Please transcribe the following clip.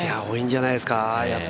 多いんじゃないですか。